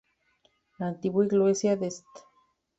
La antigua iglesia de St.